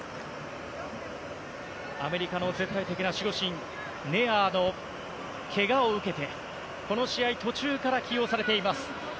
アメリカの絶対的な守護神ネアーのけがを受けてこの試合途中から起用されています。